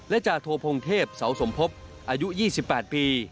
และจาโทพงเทพเสาสมภพอายุ๒๘ปี